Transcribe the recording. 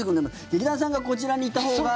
劇団さんがこちらにいたほうが。